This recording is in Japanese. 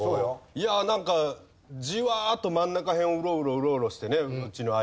いやあなんかじわっと真ん中辺をウロウロウロウロしてねうちの相方が。